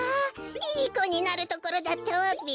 いいこになるところだったわべ。